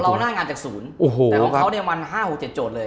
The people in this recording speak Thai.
เราได้งานจากศูนย์แต่ของเขาเนี่ยมัน๕๖๗โจทย์เลย